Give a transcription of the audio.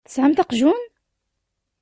Tesɛamt aqjun?